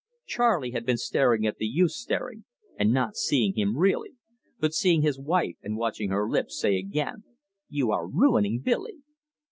Charley had been staring at the youth staring and not seeing him really, but seeing his wife and watching her lips say again: "You are ruining Billy!"